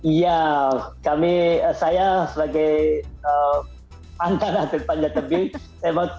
iya kami saya sebagai mantan atlet panjat tebing